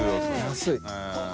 安い。